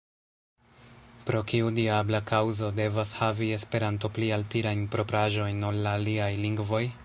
Pro kiu diabla kaŭzo devas havi Esperanto pli altirajn propraĵojn ol la aliaj lingvoj?